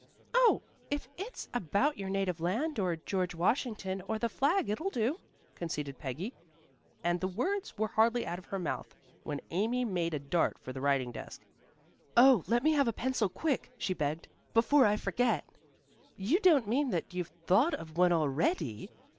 "Oh, if it's about your native land, or George Washington, or the flag, it'll do," conceded Peggy, and the words were hardly out of her mouth when Amy made a dart for the writing desk. "Oh, let me have a pencil, quick," she begged, "before I forget it." "You don't mean that you've thought of one already!"